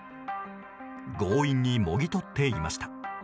強引に、もぎ取っていました。